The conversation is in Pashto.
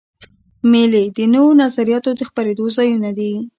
مېلې د نوو نظریاتو د خپرېدو ځایونه دي.